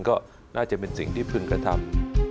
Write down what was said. ก็น่าจะเป็นสิ่งที่พึงกระทำ